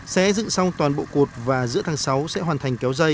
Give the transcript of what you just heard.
sẽ dựng xong toàn bộ cột và giữa tháng sáu sẽ hoàn thành kéo dây